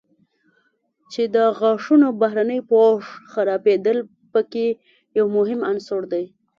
چې د غاښونو بهرني پوښ خرابېدل په کې یو مهم عنصر دی.